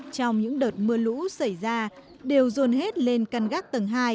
trong những đợt mưa lũ xảy ra đều dồn hết lên căn gác tầng hai